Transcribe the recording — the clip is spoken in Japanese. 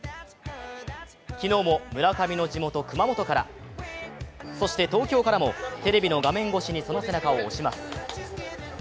昨日も村上の地元・熊本からそして東京からも、テレビの画面越しにその背中を押します。